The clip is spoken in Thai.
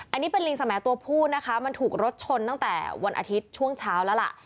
อันนี้เป็นลิงสมัยตัวผู้นะคะมันถูกรถชนตั้งแต่วันอาทิตย์ช่วงเช้าแล้วล่ะ